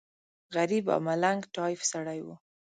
غریب او ملنګ ټایف سړی و.